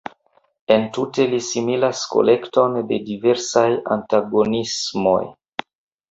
Entute li similas kolekton de diversaj antagonismoj!